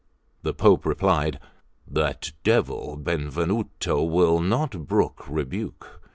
The Pope replied: "That devil Benvenuto will not brook rebuke.